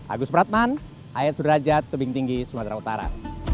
agus pratman ayat sudrajat tebing tinggi sumatera utara